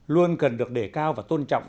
luôn cần được đề cao và tôn trọng